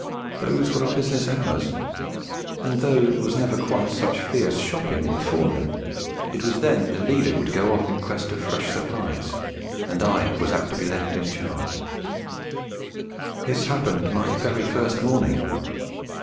Those were our business hours; and though it was never quite such fierce shopping in the forenoon, it was then that the leader would go off in quest of fresh supplies and I was apt to be left in charge. This happened my very first morning.